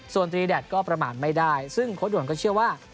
ส่วนตรีแดดก็ประมาณไม่ได้ซึ่งโค้ดด่วนก็เชื่อว่า